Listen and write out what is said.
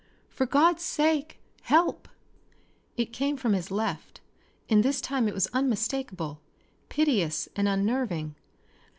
"For God's sake, help!" It came from his left and this time it was unmistakable, piteous and unnerving.